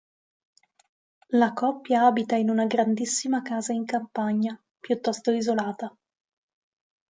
La coppia abita in una grandissima casa in campagna, piuttosto isolata.